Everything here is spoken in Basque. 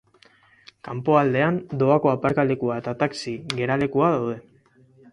Kanpoaldean doako aparkalekua eta taxi geralekua daude.